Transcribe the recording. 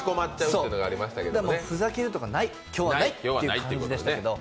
ふざけるとかは今日はないという感じでしたけれども。